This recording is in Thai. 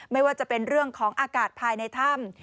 ไม่ว่าจะเป็นเรื่องของอากาศภายในถ้ำ